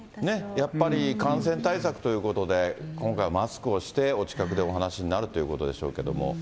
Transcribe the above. やっぱり感染対策ということで、今回、マスクをして、お近くでお話になるということでしょうけれども。